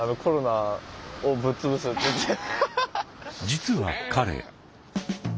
実は彼。